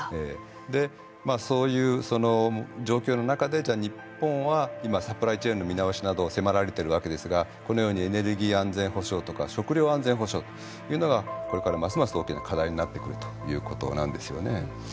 でそういう状況の中でじゃあ日本は今サプライチェーンの見直しなどを迫られてるわけですがこのようにエネルギー安全保障とか食料安全保障いうのがこれからますます大きな課題になってくるということなんですよね。